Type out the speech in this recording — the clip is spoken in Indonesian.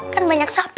kan banyak sapi